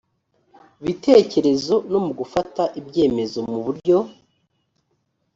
bitekerezo no mu gufata ibyemezo mu buryo